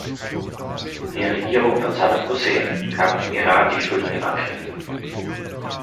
Die Regierung von Saddam Hussein gab dem Iran die Schuld an dem Angriff.